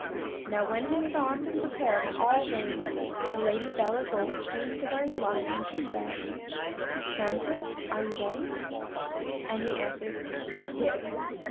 Now when he was armed and prepared in all ways, the Lady Belle Isoult came to where he was and she said, "Tramtris, are you ready?" And he answered "Yea."